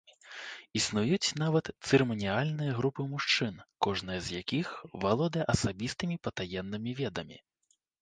Існуюць нават цырыманіяльныя групы мужчын, кожная з якіх валодае асабістымі патаемнымі ведамі.